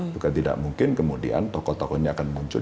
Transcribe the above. bukan tidak mungkin kemudian tokoh tokoh ini akan muncul